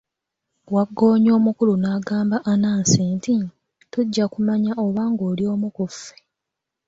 Waggoonya omukulu n'agamba Anansi nti, tujja kumanya oba ng'oli omu ku ffe.